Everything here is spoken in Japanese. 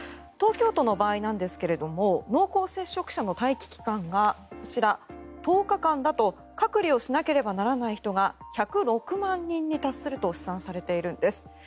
東京都の場合ですが濃厚接触者の待機期間が１０日間だと隔離をしなければならない人が１０６万人に達すると試算されているんです。